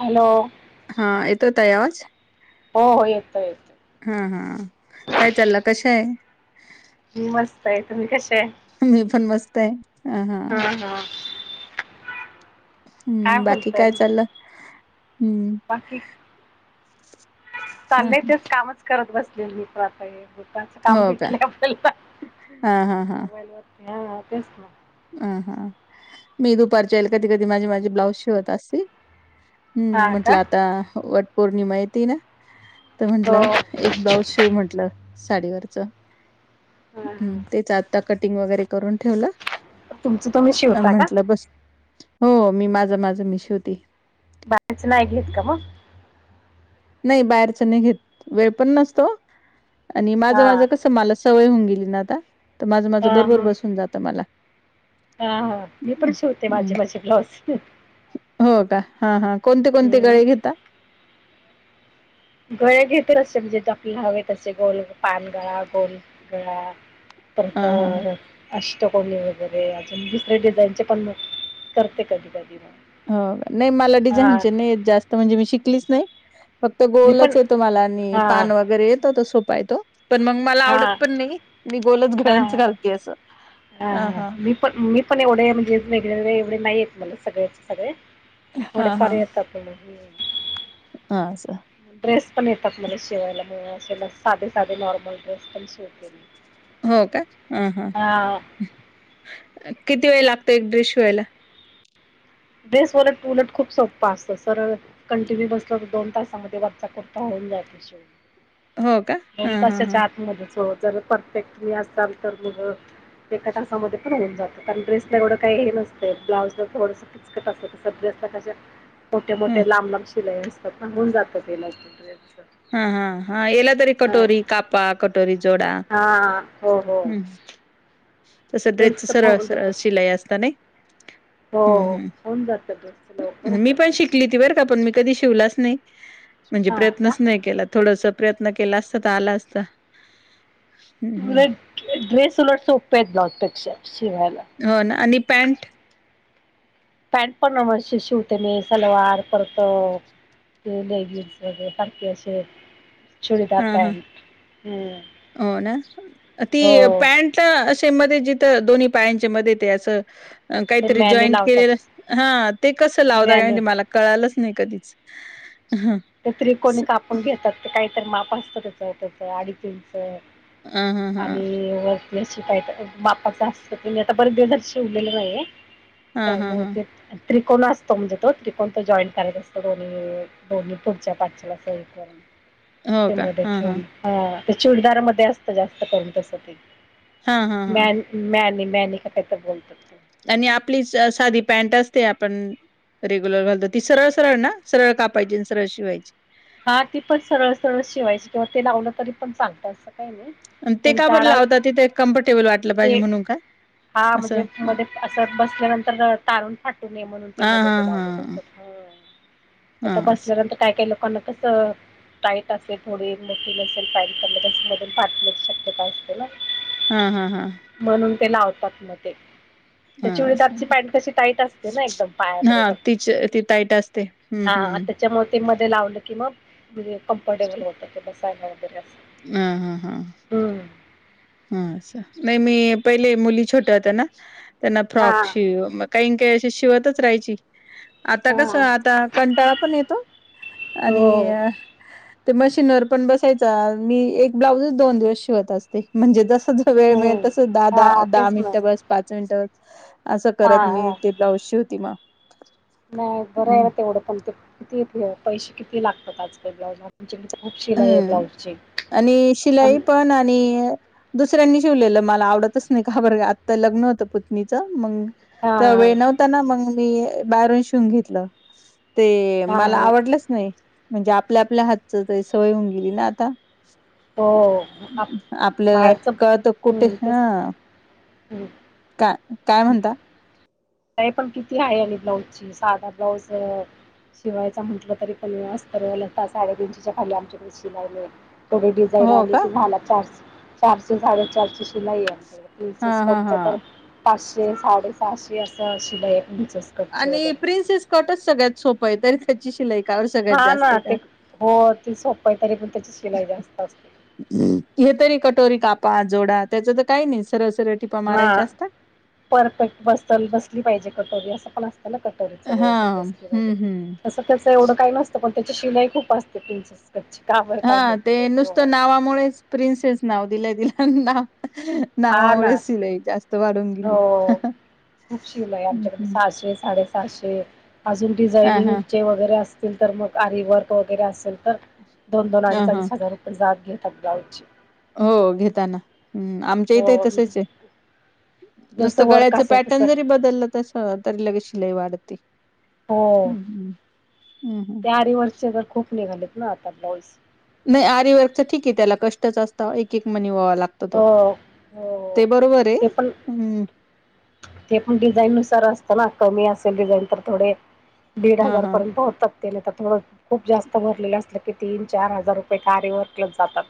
Hello तयाच. हो हो येतो येत हा हा काय चालला कशा आहे ताई तुम्ही कसे आहे. मी पण मसत हाय हम हा काय हम्म बाकी बोलताय काय चाललं हम्म बाकी अ चालले तेच कामच करत बसते त आहे दुपार च काम हो का भेटलय अहं अहं आपल्याला हा मोबाईलवर. या तेच ना. अ हा. मी दुपारच्याईल कधी कधी माझी माझी ब्लाउज शिवत असे हम्म हा म्हटलं का आता वट पौर्णिमा येते ना. तर हो म्हंटलं हा एक ब्लाऊज शिव म्हंटलं साडीवरच. [inaudible] हा हम्म. तेच आता कटिंग वगैरे करून ठेवलं. तुमच तुम्ही अ, शिवता का? म्हंटलं बस हो. मी माझं माझं मी शिवती. बाच नाहीलीेत का म नाही बाहेरच नाही घेत. वेळ पण नसतो. [inaudible] आणि माझं हा माझं कसं मला सवय होऊन गेली ना आता, तर माझं हा माझं बरोबर हा बसून जातं मला. हा हा. मी पण हं शिवते माझे हं. माझे ब्लाऊज. हो का हा हा कोणते कोणते हम्म गळे घेता? गळा घेतो असस म्हणजे ज आपल्याला हवे ते गोल, पान गळा, गोल गळा. परत हां, हां, हां. अ टकोली वगैरे अजून दुसरे डिझाईनचे पण म करते कधी कधी म हो. नाही मला डिझाईनचे नाही जास्त म्हणजे मी शिकलीच नाही. फक्त मी पण गोलच येतो मला आणि हां पान वगैरे येतं त सोपा येतो. पण मग मला आवडत हां पण नाही. मी गोलच घडंच घालते असं. हां, हा. हां. मी पण मी पण एवढे म्हणजे वेगळे नाही येत मला सगळ्याचे सगळे थोडे हां, हां. पर्यायत आपण हां असं. ड्रेस पण येतात मला शिवायला. म असे म साधे साधे नॉर्मल ड्रेस पण शिवते मी. हो का. हा हा. हां किती वेळ लागतो एक ड्रेस शिवायला? ड्रेस उलट उलट खूप सोपं असत सरळ कंटिन्यू बसलं, तर दोन तासामध्ये वरचा कुर्ता हो हो का? [inaudible] दोन हां, हां, हां. तासाच्या आतमध्ये च. जर परफेक्ट मी असाल तर मग एका तासामध्ये पण होऊन जातं कारण ड्रेसला एवढं काही हे नसत, ब्लाउज ला थोडस किचकट अस ड्रेसला कस मोठे हं. मोठे लांब लांब लय असतात थांबबून जात ते लई हा हा हा. एला तरी कटोरी कापा कटोरी जोडा. हां हो हो हम्म. तस ड्रेसच ड्रेसचं फ सरळ होऊन सरळ जातं शिलाई असत ने. हो हो. होऊन जातं. ड्रेसचं लवकर मी होतं पण ड्रेस शिकली त बर का, पण मी कधी शिवलाच नाही म्हणजे हां का प्रयत्नच नाही केला तस प्रयत्न केला असता, तर आला असता. हं उलट ड्रेस उलट सोपे आहेत ब्लाउज पेक्षा. हो ना आणि पॅन्ट? पॅन्ट पण न वर्ष शिवते मी सलवार परत अ त लेगस वगैरे सारखे अस अस [inaudible] हा हा [inaudible] हो ना ती हो पॅन्ट असे मध्ये दोन्ही पायांच्या म ते अस [inaudible] ते काहीतरी मॅने जॉईंट लावतात केलेलं हा ते कसं लावत मॅने काुमला कळालंच [inaudible] नाही कधीच ह ते त्रिकोणी कापून घेतात ते काहीत माप असतं त्याच त्याच अडीचीं [inaudible] [inaudible] तर हा हा हा आणि वर [inaudible] शी काय बाप्पाचं हत त्यांनी आता बरग दर् शवलेलं नाही [inaudible] हा हा त्यामुळे हा ते त्रिकोण असतो म्हणजे तो त्रिकोण त जॉईंट करायचा असतो दोन्ही दोन्ही पुढच्या पाठच्याला सई करून हो ते का मद हा हा ठेन ह [inaudible] चिडदार मध्ये असत जास्त करून तस ते हा हा [inaudible] हा मॅनी का तर बोलतात [inaudible] आणि आपलीच साधी पॅन्ट असते आपण रेग्युलर घालतो ती सरळ सरळ ना सरळ कापायची आणि सरळ शिवायची हा ती पण सरळ सरळ शिवायची किंवा ते लावलं तरी पण चालत अस ते का बरं लावता तिथे कम्फर्टेबल वाटलं ते पाहिजे म्हणून का हा असं म्हणजे मध्ये असं बसल्यानंतर तारून फाटू नये म्हणून ते हा मदे हा त हा लावलेले असत आता हा बसल्यानंतर काय काय ल अससं टाईट असेल थोडी मोठी नसेल पँट तर मधून पाठण्याची शक्यता असते ना हा हा हा म्हणून ते लावतात म ते हा असं. चुडीदारची पँट अशी टाईट असते ना एकदम हा पायात तिच ती टाईट असते हम्म हा ह हम्म त्याच्यामुळ मती मध्ये लावलं कि म म्हजे कम्फर्टेबल होतं ते बय ह हा हा हा नाही मी पहिले मुली छोट त्यांना हा फ्रॉक शिव का काही अ शिवतच राहाची आता कसं हा आता कंटाळा पण येतो. आणि हो. ते मशीनवर पण बसायच मी एक ब्लाउजच दोन दिवस शिवत असते म्हणजे जसं वेळ मिळेल तसं दा हम्म हा दहा दहा तेच ना मिनिट बस पाच मिनिट बस असं हा करत मी हा ते ब्लाऊज शेवती मग नाही बरं आहे ना तेवढं पण ते किती पैसे किती लागतात आजकाल ब्लाउज तर खूप शिलाई आहे हम्म ब्लाउजची आणि आम शिलाई पण आणि दु दुसऱ्यांनी शिवलेलं मला आवडतंच नाही का बर आत्ता लग्न होतं पुत्नीचं मग हा त्या वेळ नव्हता ना मग मी बाहेरून शिवून घेतलं ते हा मला हा आवडलंच नाही म्हणजे आपल्या आपल्या हातचं सवय होऊन गेली ना आता हो आपल्याला बाहेरच कळतं कुठे हम्म तेच हं हम्म का काय म्हणता? पण किती आहे आ ब्लाऊज ची साधा ब्लाऊज शिवायचा म्हटलं तरी पण अस्तर वालं ता साडे तीनशेच्या खाली आमच्याकडे शिलावले थोडी डिझाईन हो आले का की झाला. चारश चारशे साडेचारशे शिलाई आमक हा प्रिंसेस हा हा कटचं तर पाचशे साडेसहाशे असं शिलाइयं आणि प्रिन्सेस कटच सगळ्यात सोपं आहे तरी त्याची शिलाई कावर सगळ्यात हा ना जास्त आहे ते का हो ते सोपं आहे. तरी पण त्याची शिलाई जास्त असते. हे तरी कटोरी कापा जोडा. त्याच तर काही नाहीच हां परफेक्ट बसल बसली पाहिजे कटोरी असं पण असत. कटोरी हा व्यवस्थित हम्म हम्म तसं त्याच एवढं काही नसतं पण त्याची शिलाई खूप असते. प्रिंसेसची हां ते नुसतं नावामुळेच प्रिंन्सेस नाव दिलंय तिला नाव नावा हा मुळे ना शिलाई जास्त वाढून हो गेली ह खूप शिलाई आहे. आमच्याकडे सहाशे साडे ते अजून हा ह डिझायनिंगचे वगैरे असतील तर मग आरीवर्क वगैरे असेल तर दोन दोन हा अडीच हा. अडीच हजार रुपये जात घेतात. ब्लाऊजचे हो घेताना हम् आमच्या इथं हो आहे म्हणजे तसेच आहे. जसं नुसतं वर्क गळ्याच असेल तसं पॅटर्न जरी बदललं तसं तरी लगे शिलाई वाढत हो हम्म हम्म. त्या आरीवर्क चे तर खूप निघालेत ना आता ब्लाऊज नाही आरी वर्कच ठीक आहे त्याला कष्टच असता एक एक मनी ओवा लागतो तो हो हो ते बरोबर ते पण आहे. ते पण डिझाईन नुसार असतं कमी असेल डिझाईन तर थोडे दीड हा हजार हा पर्यंत होतात. त्या तर थोडं खूप जास्त भरलेलं असलं की तीन चार हजार रुपये तर आरी वर्कलाच जातात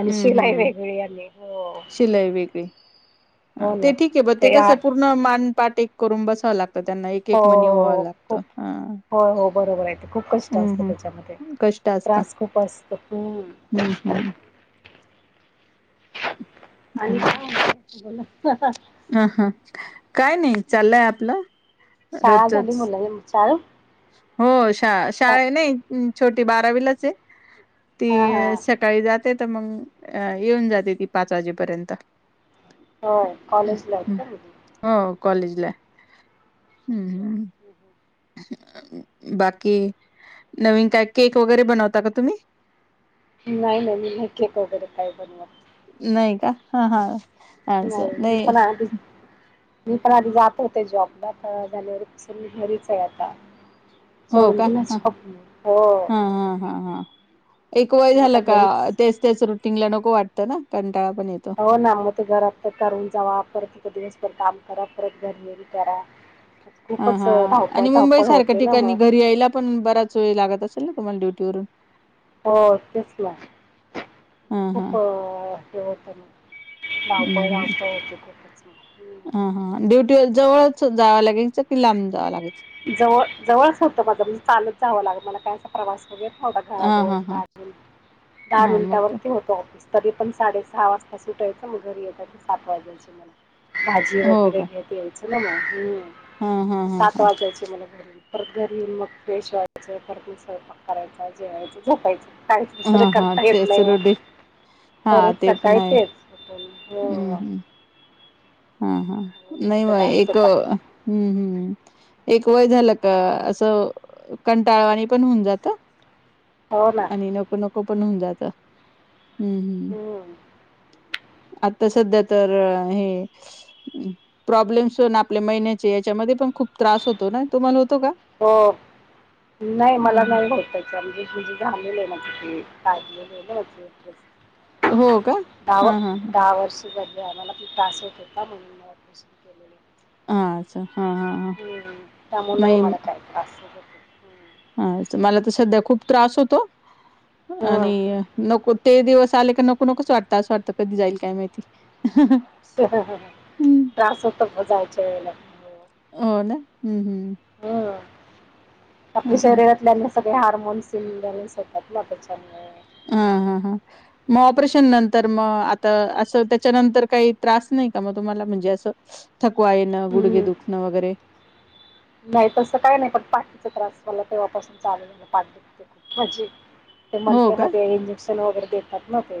आणि हम्म शिलाई हम्म वेगळी आली. शिलाई वेगळी ह हो ते ना ठीक आहे बघ ते आ कस पूर्ण मानपाठ एक करून बसावं लागतं तर त्यांना एक एक मनी व्हावं हो लागतं खूप हा हो हो बरोबर आहे खूप कष्ट अ,, हम्म सतं त्याच्यामध्ये हम्म कष्ट असता त्रास खूप असतो खू हम्म हम्म आणि काय बला अ हा काय नाही चाललंय आपलं शळा झाली रोजचच मुला शळ हो शा शाळा नाही छोटी बारावीलाच ती हा हा सकाळी जाते तर मग अ येऊन जाते ती पाच वाजेपर्यंत होय कॉलेजला आहेत का मुली हो कॉलेजला अच्छा हम्म हम् हम बाकी नवीन काय केक वगैरे बनवता का तुम्ही नाही नाही मी नाही केक वगैरे काय बनव नाही का हा हा हप अस नाही ना मी पण आधी जात होते जॉबला तर झाल्यावर मी घरीच आहे आता हो चडून त का हा नाचप हा हा ह हा एक वय मी आता झालं का घरीच तेच त्याच रुटिंगला नक वाटत ना पण येतो हो ना मग ते घरात तर करून जाव परत ति दिवस काम करा परत घरनेरी करा हा खूपच हा धावपळ आणि मुंबई धावपळ सारख्या होते ना ठिकाणी मग घरी यायला पण बराच वेळ लागत असेल तुमला ्यटीवरून हो तेच ना हा हा खूप हे होत रावप हम्म राप उतेत हा हा ड्युटी जवळच जावं लागेलं कि लांब जावं लागेल जवळ जवळच होतं माझ म्हणजे चालत जावं लाग मला काय अस प्रवास थोडा हा घराजव हा हा दहा मि दहा हा मग मिनिटावरती होत ऑफिस तरी पण साडे सहा वाजता सुटायचं मग घरी येत सात वाज्याची मला. भाजी हो वगैरे का घेत यायचं ना मग हा हा हा वाज जायची मला घर परत घरी मग फ्रेश व्हायच परत म स्वपाक करायचा जेवायच झोपायच काहीचसर हा हा करता येत तेच नाही रोटी हा पर ते पण सकाळी आहे तेच हम्म होभूळा हम्म हा हा नाही म एक होता हम्म हम्म एक वय झालं का असं कंटाळवाणी पण होऊन जात हो ना आणि नको नको पण होऊन जात हम्म हम्म आता सध्या तर हे प्रॉब्लेम आप महिन्या याच्यामध्ये पण खूप त्रास होतो ना तम हो नाही मला हम्म. नाही भटयचं म्हणजे म्हजे झा म्हण काज हो का हा हा हा ब आमला खू त्रास होत होता म्हणून म ऑपरेशन केले अच्छा हा हा हा ह त्यामनय माला काय क अस हा मला तर सध्या खूप त्रास होतो हम्म. आणि नको ते दिवस आले क नको नकच वाटतं असं वाटतं कधी जाईल काय माहिती हं. त्रास होत म जायच हो ना हम्म हम्म आपल्या शरीरातल्या सगळे हार्मोन्स होतात त्याच्यामुळे हम हम हा मग ऑपरेशन नंतर मग आता असं त्याच्यानंतर काही त्रास नाही का मग तुम्हाला म्हणजे असं थकवा येणं गुडगे हम्म. दुखणं वगैरे नाही तसं काय नाही पण पाठीचा त्रास मला तेव्हापासून चालू पाठ दते खूपजी ते हो मनक्या का मध्ये इंजेक्शन वगैरे देतात ना ते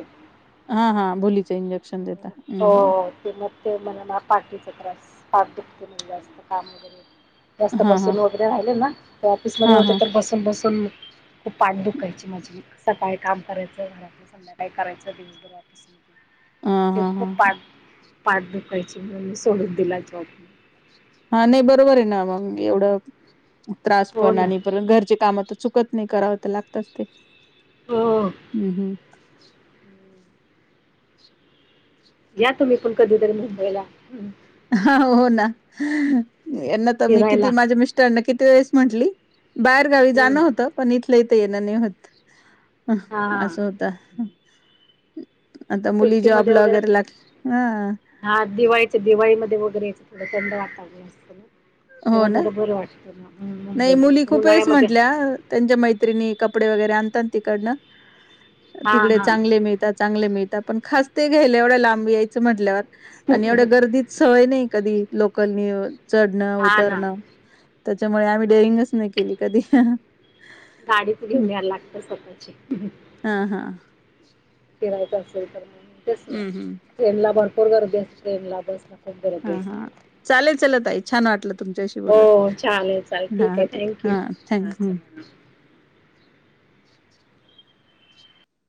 हा हा भुलीचं इंजेक्शन देता हम्म हो हम्म ते मग ते मला ना पाठीचा त्रास पाठ दुखते नाही जास्त कामगैे जास्त हा हा बसून वगैरे राहिले ना तर ऑफिस मध्ये हा होते हा तर बसून बसून खूप पाठबुक बकायची माझी असंकाळी काम करायचं घरातलं संध्याकाळी करायचं हा दिवसभराातपासून त हा हा खूप पा हा पाठ दुखयची म्हणून मी सोडून दिला जॉब हा नाही बरोबर आहे ना मग एवढं त्रास हो पण ना आणि पण घरचे काम चुकत नाही करावं तर लागतच ते हो हम्म हम् घ्या तुम्ही पण कधीतरी मुंबईला हा हो ना यांना तर मी फिरायला किती माझ्या मिस्टरन किती तेळेस म्हंटली बाहेरगावी जाणं होत पण इथलं इथ येणं नाही होत ह हा असं होत सुट्टीमध्ये वगैरे हा हा दिवाळीच्या दिवाळीमध्ये वगरे थो थंड वाा असत हो ना नाही मुली खूपेच उन्हाळ्यामध्ये म्हटल्या त्यांच्या मैत्रिणी कपडे वगैरे आणत तिकडन हा तिकडे हा चांगले मिळतात चांगले मिळतात पण खास ते घ्यायला एवढ्या लांब यायचं म्हटल्यावर आणि एवढ्या गर्दीत सवय नाही कधी लोकलनी चढ हा ना तरण त्याच्यामुळे आम्ही डेरिंगच नाही केली कधी गाडीच घेऊन याला लागत स्वतःची हा हा फिरायचं असेल तर तेच हम्म हम्म ट्रेनला भरपूर गर्दी असेल ट्रेनला बस हा हा चालेल चल त आई छान वाटलं तुमच्याशी बोलत चाल हा ठीक हा आहे थँक यू हा थँक हं.